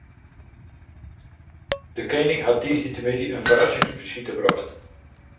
De kening hat tiisdeitemiddei in ferrassingsbesite brocht.